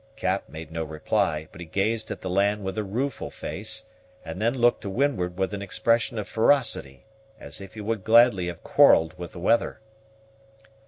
Cap made no reply; but he gazed at the land with a rueful face, and then looked to windward with an expression of ferocity, as if he would gladly have quarrelled with the weather.